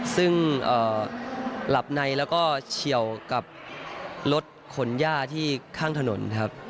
ซึ่งหลับในแล้วก็เฉียวกับรถขนย่าที่ข้างถนนครับ